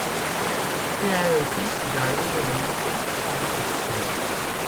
Il est le fils d'Ali et Medya Kaypakkaya.